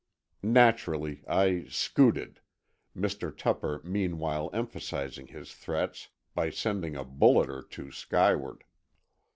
Naturally, I "scooted," Mr. Tupper meanwhile emphasizing his threats by sending a bullet or two skyward.